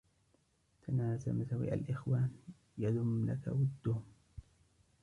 تَنَاسَ مَسَاوِئَ الْإِخْوَانِ يَدُمْ لَك وُدُّهُمْ